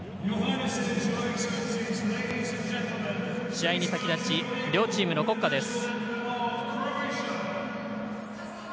試合に先立ち両チームの国歌です。